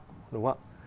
đúng không ạ